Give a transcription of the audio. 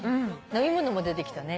飲み物も出てきたね。